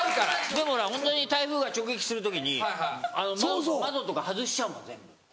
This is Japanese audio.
でもホントに台風が直撃してる時に窓とか外しちゃうもん全部。